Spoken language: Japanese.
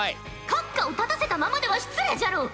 閣下を立たせたままでは失礼じゃろう。